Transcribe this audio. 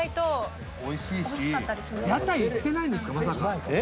屋台行ってないんですか？